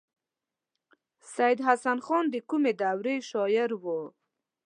سید حسن خان د کومې دورې شاعر و.